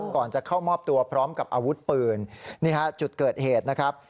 ก่อนจะเข้ามอบตัวพร้อมกับอาวุธปืนนี่ฮะจุดเกิดเหตุนะครับ